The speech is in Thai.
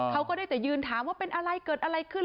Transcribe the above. เขาก็ได้แต่ยืนถามว่าเป็นอะไรเกิดอะไรขึ้น